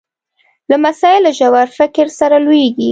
لمسی له ژور فکر سره لویېږي.